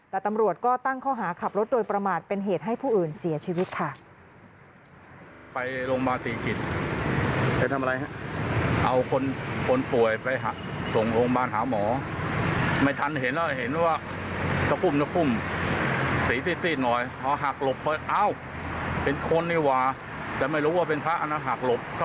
แต่ตำรวจก็ตั้งข้อหาขับรถโดยประมาทเป็นเหตุให้ผู้อื่นเสียชีวิตค่ะ